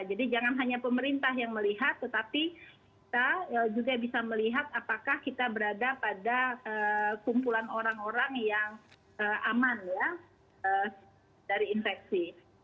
jadi jangan hanya pemerintah yang melihat tetapi kita juga bisa melihat apakah kita berada pada kumpulan orang orang yang aman dari infeksi